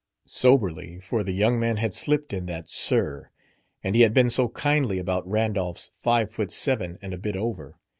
Soberly. For the young man had slipped in that "sir." And he had been so kindly about Randolph's five foot seven and a bit over.